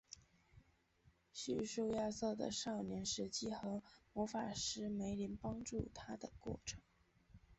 叙述亚瑟的少年时期和魔法师梅林帮助他的过程。